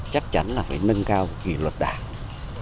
chắc chắn là phải nâng cao kỷ luật đảng